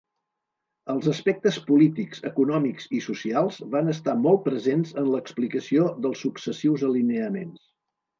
Els aspectes polítics, econòmics i socials van estar molt presents en l'explicació dels successius alineaments.